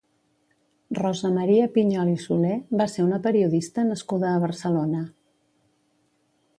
Rosa Maria Piñol i Soler va ser una periodista nascuda a Barcelona.